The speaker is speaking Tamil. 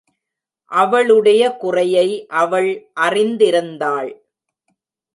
அவளுடைய குறையை அவள் அறிந்திருந்தாள்.